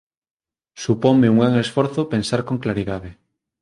Suponme un gran esforzo pensar con claridade.